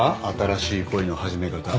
新しい恋の始め方。